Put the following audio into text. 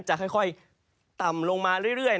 จะค่อยต่ำลงมาเรื่อย